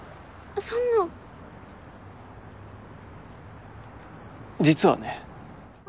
そんな実はね